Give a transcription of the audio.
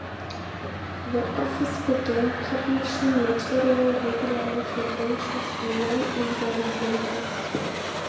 The office began publishing material regularly for branches and Young Israel members.